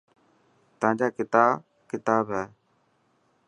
تانجا ڪتا ڪتاب هي.